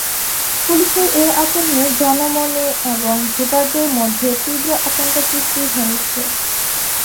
পুলিশের এ আচরণে জনমনে এবং ভোটারদের মধ্যে তীব্র আতঙ্ক সৃষ্টি হয়েছে।